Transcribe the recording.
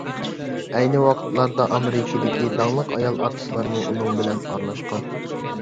ئەينى ۋاقىتلاردا ئامېرىكىدىكى داڭلىق ئايال ئارتىسلارمۇ ئۇنىڭ بىلەن ئارىلاشقان.